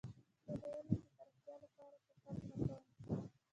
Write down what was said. زه د علم د پراختیا لپاره کوښښ نه کوم.